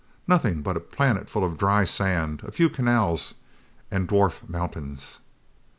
Nothing but a planet full of dry sand, a few canals and dwarf mountains."